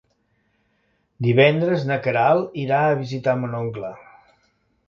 Divendres na Queralt irà a visitar mon oncle.